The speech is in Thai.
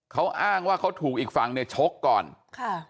เขาอ้างว่าเขาถูกอีกฝั่งเนี่ยชกก่อนค่ะ